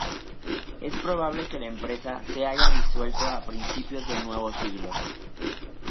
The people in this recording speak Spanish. Es probable que la empresa se haya disuelto a principios del nuevo siglo.